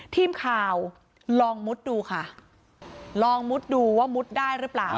ทีมข่าวลองมุดดูค่ะลองมุดดูว่ามุดได้หรือเปล่า